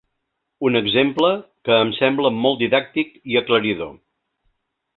Un exemple que em sembla molt didàctic i aclaridor.